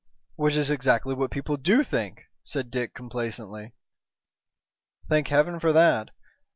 "Which is exactly what people do think," said Dick, complacently. "Thank Heaven for that.